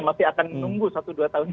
masih akan menunggu satu dua tahun